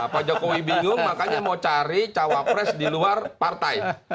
pak jokowi bingung makanya mau cari cawapres di luar partai